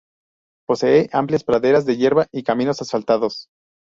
Posee amplias praderas de hierba y caminos asfaltados.